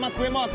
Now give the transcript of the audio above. selamat gue mot